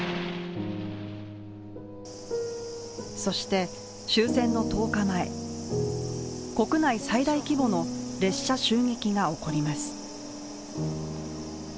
そして終戦の１０日前、国内最大規模の列車襲撃が起こります。